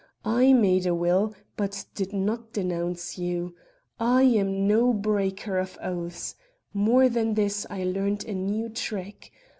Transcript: I made a will, but did not denounce you. I am no breaker of oaths. More than this, I learned a new trick.